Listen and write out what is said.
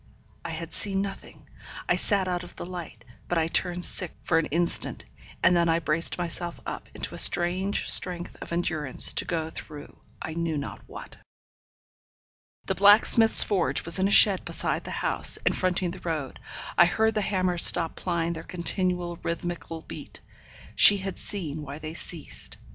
I had seen nothing; I sat out of the light; but I turned sick for an instant, and then I braced myself up into a strange strength of endurance to go through I knew not what. The blacksmith's forge was in a shed beside the house, and fronting the road. I heard the hammers stop plying their continual rhythmical beat. She had seen why they ceased.